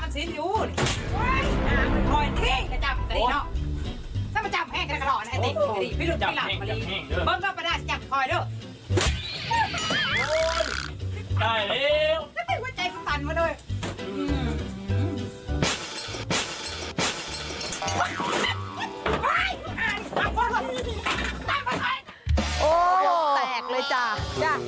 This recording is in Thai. จับแค่เลยจ้ะ